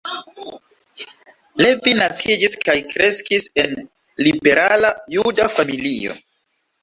Levi naskiĝis kaj kreskis en liberala juda familio.